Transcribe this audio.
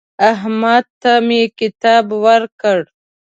احمد ته مې کتاب ورکړ.